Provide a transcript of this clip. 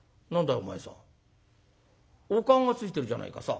お燗がついてるじゃないかさ。